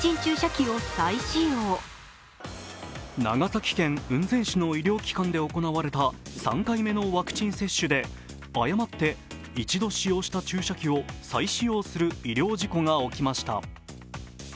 長崎県雲仙市の医療機関で行われた３回目のワクチン接種で誤って１度使用した注射器を再使用する医療事故が起きました。